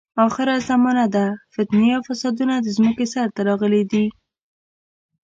اخره زمانه ده، فتنې او فسادونه د ځمکې سر ته راغلي دي.